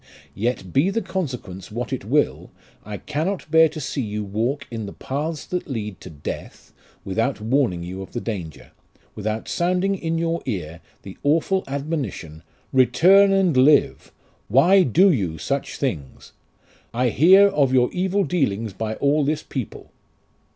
Yet be the consequence what it will, I cannot bear to see you walk in the paths that lead to death without warning you of the danger, without sounding in your ear the awful admonition, ' Return and live ! Why do you such things ? I hear of your evil dealings by all this people.'